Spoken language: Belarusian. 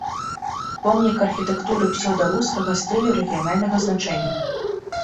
Помнік архітэктуры псеўдарускага стылю рэгіянальнага значэння.